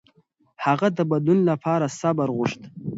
هغه د بدلون لپاره صبر غوښت.